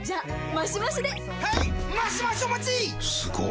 マシマシお待ちっ！！